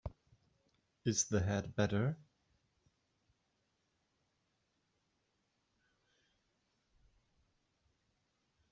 Is the head better?